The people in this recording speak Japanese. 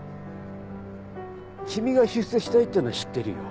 君が出世したいっていうのは知ってるよ。